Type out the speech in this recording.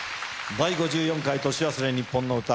『第５４回年忘れにっぽんの歌』。